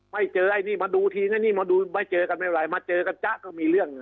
ไม่เจอไอ้นี่มาดูทีไอ้นี่มาดูไม่เจอกันไม่เป็นไรมาเจอกันจ๊ะก็มีเรื่อง